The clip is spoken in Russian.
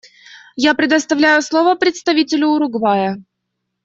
Я предоставляю слово представителю Уругвая.